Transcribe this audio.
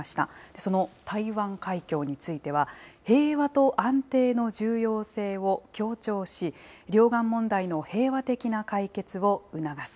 その台湾海峡については、平和と安定の重要性を強調し、両岸問題の平和的な解決を促す。